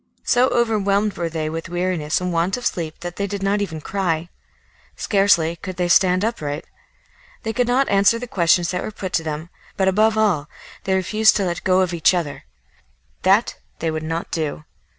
So overwhelmed were they with weariness and want of sleep that they did not even cry. Scarcely could they stand upright. They could not answer the questions that were put to them, but above all they refused to let go of each other; that they would not do.